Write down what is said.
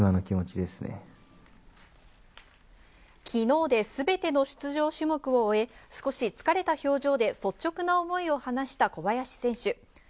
昨日で全ての出場種目を終え、少し疲れた表情で率直な思いを話した小林選手。